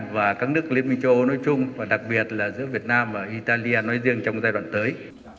và các nước liên minh châu âu nói chung và đặc biệt là giữa việt nam và italia nói riêng trong giai đoạn tới